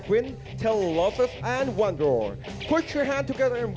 พัดท่าไปและสวัสดีคุณครับ